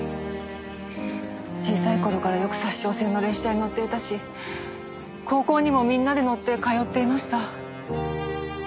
小さい頃からよく札沼線の列車に乗っていたし高校にもみんなで乗って通っていました。